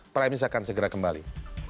prime news akan segera kembali